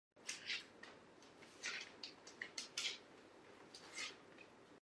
アラゴアス州の州都はマセイオである